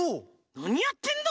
なにやってんの？